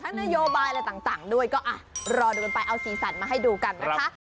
นโยบายอะไรต่างด้วยก็รอดูกันไปเอาสีสันมาให้ดูกันนะคะ